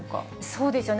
そうですよね、